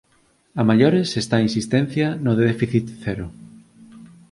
A maiores está a insistencia no déficit cero.